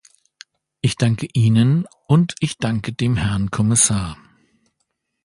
Ich danke Ihnen und ich danke dem Herrn Kommissar.